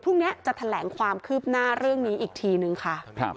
พรุ่งนี้จะแถลงความคืบหน้าเรื่องนี้อีกทีนึงค่ะ